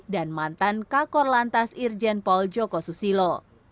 dan mantan kakor lantas irjen paul joko susilo